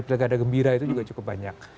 pilkada gembira itu juga cukup banyak